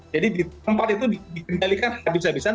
jadi di tempat itu dikendalikan habis habisan